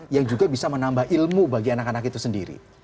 yang juga bisa menambah ilmu bagi anak anak itu sendiri